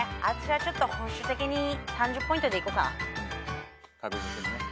私はちょっと保守的に３０ポイントでいこうかな。